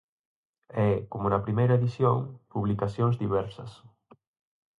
E, como na primeira edición, publicacións diversas.